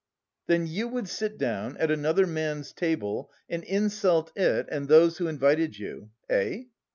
"Then you would sit down at another man's table and insult it and those who invited you. Eh?"